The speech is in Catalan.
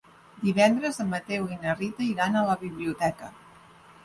Divendres en Mateu i na Rita iran a la biblioteca.